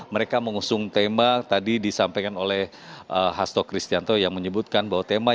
mereka mengusung tema tadi disampaikan oleh hasto kristianto yang menyebutkan bahwa tema